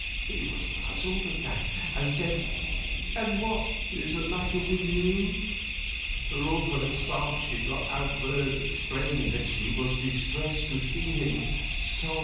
He was puzzled at that, and said, "And what is the matter with you?" Through her sobs she got out words explaining that she was distressed to see him "so."